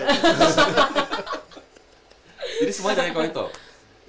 jadi semuanya dari kawetop